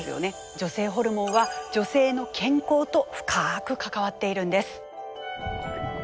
女性ホルモンは女性の健康と深く関わっているんです。